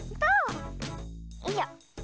よいしょ。